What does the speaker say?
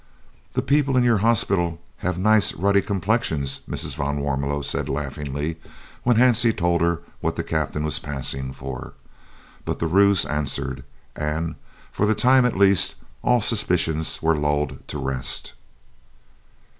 "The people in your hospital have nice ruddy complexions," Mrs. van Warmelo said laughingly, when Hansie told her what the Captain was passing for; but the ruse answered, and, for the time at least, all suspicions were lulled to rest.